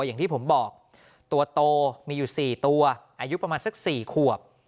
อย่างที่ผมบอกตัวโตมีอยู่๔ตัวอายุประมาณสัก๔ขวบ